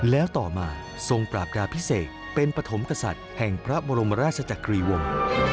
แล้วต่อมาทรงปราบดาพิเศษเป็นปฐมกษัตริย์แห่งพระบรมราชจักรีวงศ์